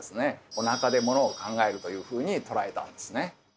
「おなかでものを考える」というふうに捉えたんですね。